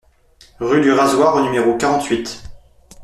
Rue du Razoir au numéro quarante-huit